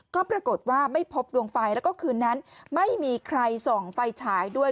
ก็ปรากฏว่าไม่พบดวงไฟแล้วก็คืนนั้นไม่มีใครส่องไฟฉายด้วย